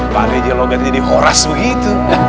pak de jelogat jadi horas begitu